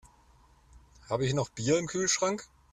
Habe ich noch Bier im Kühlschrank?